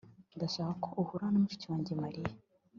Ndashaka ko uhura na mushiki wanjye Mariya